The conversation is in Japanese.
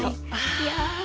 いや。